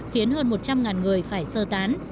khiến hơn một trăm linh người phải sơ tán